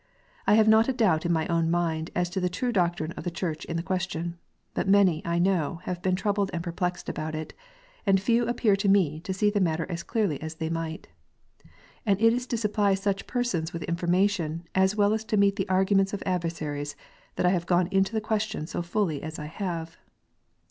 I have not a doubt in my own mind as to the true doctrine of the Church in the question. But many, I know, have been troubled and perplexed about it, and few appear to me to see the matter as clearly as they might. And it is to supply such persons with information, as well as to meet the arguments of adversaries, that I have gone into the question so fully as I have.